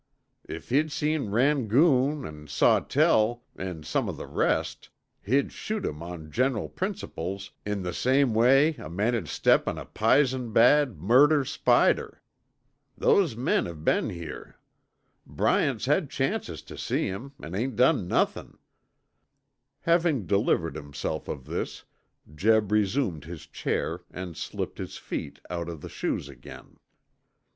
If he'd seen Rangoon, an' Sawtell, an' some o' the rest, he'd shoot 'em on general principles in the same way a man'd step on a pizon bad, murder spider. Those men've been here; Bryant's had chances tuh see 'em an' done nothin'." Having delivered himself of this, Jeb resumed his chair and slipped his feet out of the shoes again.